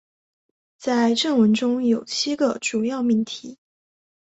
在正文中有七个主要命题。